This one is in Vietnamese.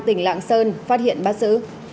tỉnh lạng sơn phát hiện bắt giữ